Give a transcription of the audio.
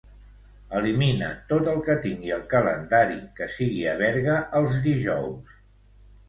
Elimina tot el que tingui al calendari que sigui a Berga els dijous.